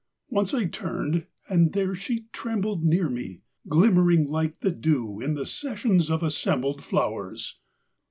Once I turned and there she trembled Near me, glimmering like the dew In the sessions of assembled Flowers.